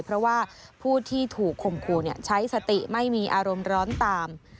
เพราะว่าผู้ที่ถูกข่มขู่ใช้สติไม่มีอารมณ์ร้อนตาม